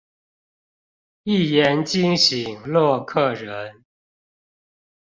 一言驚醒洛克人